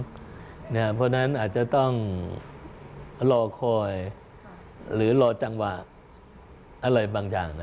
เพราะฉะนั้นอาจจะต้องรอคอยหรือรอจังหวะอะไรบางอย่าง